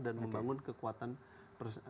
dan membangun kekuatan senjatanya